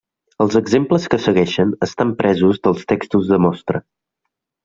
Els exemples que segueixen estant presos dels textos de mostra.